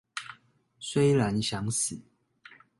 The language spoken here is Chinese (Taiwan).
雖然想死